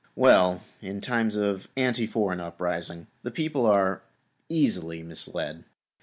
Well, in a time of anti foreign uprising the people are easily misled.